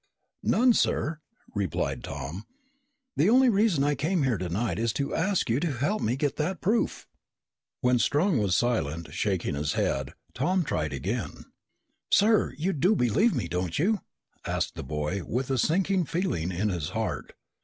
"None, sir," replied Tom. "The only reason I came here tonight is to ask you to help me get that proof." When Strong was silent, shaking his head, Tom tried again. "Sir, you do believe me, don't you?" asked the boy with a sinking feeling in his heart.